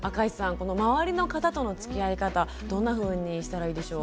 この周りの方とのつきあい方どんなふうにしたらいいでしょう？